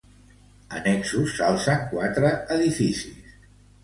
Annexos s'alcen quatre edificis.